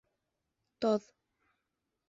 Тоҙ